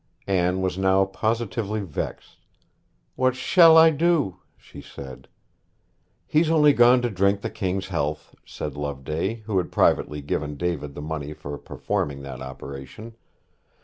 Anne was now positively vexed. 'What shall I do?' she said. 'He's only gone to drink the King's health,' said Loveday, who had privately given David the money for performing that operation.